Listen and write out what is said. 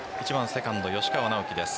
セカンド・吉川尚輝です。